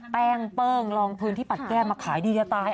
แป้งเปิ้งลองพื้นที่ปัดแก้มาขายดีจะตาย